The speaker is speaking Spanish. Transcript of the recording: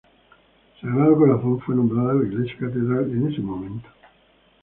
Sagrado Corazón fue nombrada la Iglesia Catedral en ese momento.